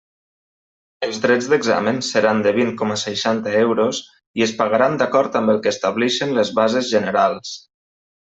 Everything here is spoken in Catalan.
Els drets d'examen seran de vint coma seixanta euros i es pagaran d'acord amb el que establixen les bases generals.